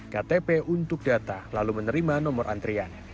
ktp untuk data lalu menerima nomor antrian